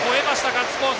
ガッツポーズ！